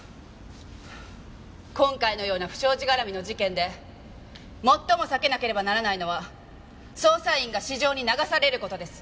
今回のような不祥事絡みの事件で最も避けなければならないのは捜査員が私情に流される事です。